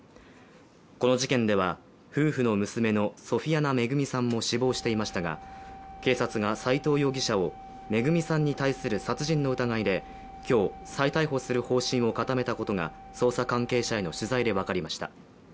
この事件では夫婦の娘のソフィアナ恵さんも死亡していましたが警察が斉藤容疑者を恵さんに対する殺人の疑いで今日、再逮捕する方針を固めたことが捜査関係者への取材で分かりました。